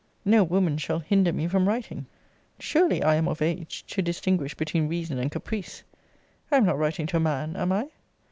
* No woman shall hinder me from writing. Surely I am of age to distinguish between reason and caprice. I am not writing to a man, am I?